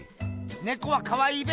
ネコはかわいいべ。